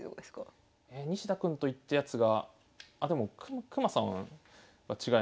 西田君と行ったやつがあでもくまさんは違いますね。